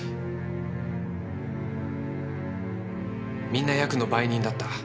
みんなヤクの売人だった。